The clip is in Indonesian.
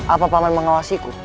apa paman mengawasiku